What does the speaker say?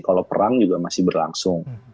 kalau perang juga masih berlangsung